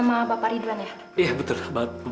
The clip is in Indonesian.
kok gak ada